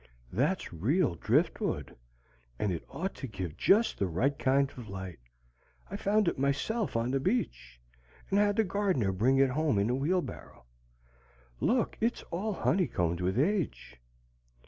"That's real driftwood, and it ought to give just the right kind of light. I found it myself on the beach, and had the gardener bring it home in a wheelbarrow. Look, it's all honeycombed with age."